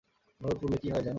এভাবে পুড়লে কী হয় জানো?